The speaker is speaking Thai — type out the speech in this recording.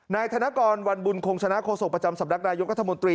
ธนกรวันบุญคงชนะโฆษกประจำสำนักนายกรัฐมนตรี